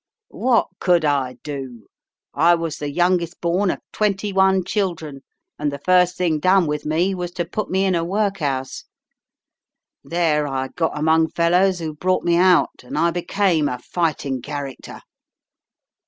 What could I do? I was the youngest born of twenty one children, and the first thing done with me was to put me in a workhouse. There I got among fellows who brought me out, and I became a fighting character.